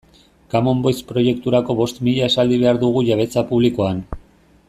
Common Voice proiekturako bost mila esaldi behar dugu jabetza publikoan